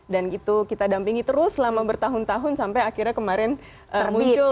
dan itu kita dampingi terus selama bertahun tahun sampai akhirnya kemarin muncul